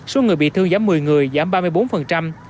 số người bị thương giảm một mươi người giảm ba mươi bốn